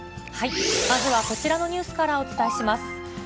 まずはこちらのニュースからお伝えします。